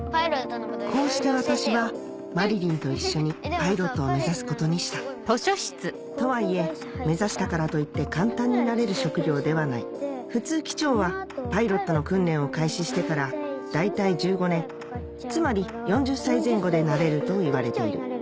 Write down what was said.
こうして私はまりりんと一緒にパイロットを目指すことにしたとはいえ目指したからといって簡単になれる職業ではない普通機長はパイロットの訓練を開始してから大体１５年つまり４０歳前後でなれるといわれている